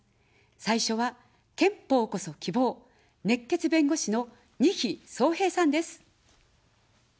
最初は、憲法こそ希望、熱血弁護士の、にひそうへいさんです。